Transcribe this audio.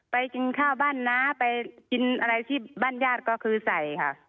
กินข้าวบ้านน้าไปกินอะไรที่บ้านญาติก็คือใส่ค่ะ